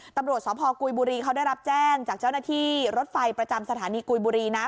ตำรวจสพกุยบุรีเขาได้รับแจ้งจากเจ้าหน้าที่รถไฟประจำสถานีกุยบุรีนะ